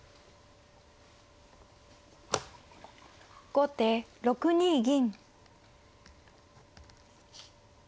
後手６二銀。